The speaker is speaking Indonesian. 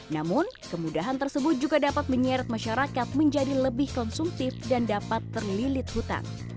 namun kemudahan tersebut juga dapat menyeret masyarakat menjadi lebih konsumtif dan dapat terlilit hutan